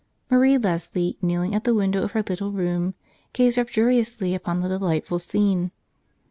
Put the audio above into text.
Marie Lesly, kneeling at the window of her little room, gazed rapturously upon the delightful scene.